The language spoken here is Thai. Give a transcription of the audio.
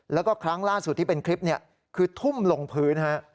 แล้วก็ครั้งล่าสุดที่เป็นคลิปนี้คือทุ่มลงพื้นฮะ